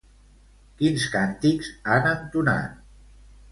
Quins càntics han entonat?